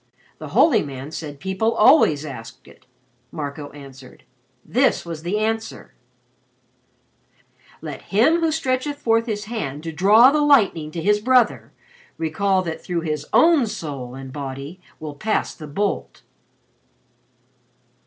The holy man said people always asked it," Marco answered. "This was the answer: "_'Let him who stretcheth forth his hand to draw the lightning to his brother recall that through his own soul and body will pass the bolt.'